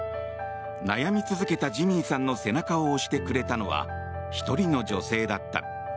悩み続けたジミーさんの背中を押してくれたのは１人の女性だった。